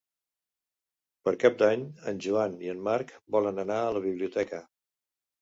Per Cap d'Any en Joan i en Marc volen anar a la biblioteca.